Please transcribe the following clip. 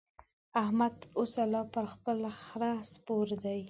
احمد تر اوسه لا پر خپل خره سپور دی.